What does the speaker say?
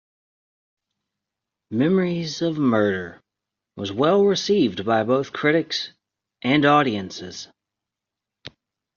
"Memories of Murder" was well received by both critics and audiences.